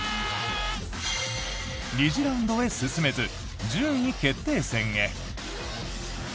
２次ラウンドへ進めず順位決定戦へ。